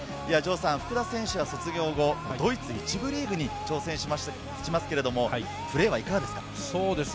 福田選手は卒業後、ドイツ１部リーグに挑戦しますが、プレーはいかがですか？